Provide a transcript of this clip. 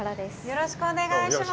よろしくお願いします。